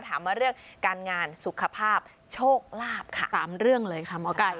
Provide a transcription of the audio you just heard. ถามมาเรื่องการงานสุขภาพโชคลาภค่ะ๓เรื่องเลยค่ะหมอไก่